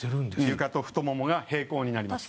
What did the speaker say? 床と太ももが平行になります。